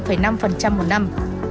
hội doanh nhân việt nam